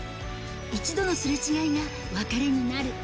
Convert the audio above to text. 一度のすれ違いが別れになる。